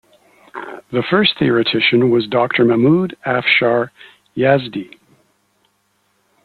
The first theoretician was Doctor Mahmoud Afshar Yazdi.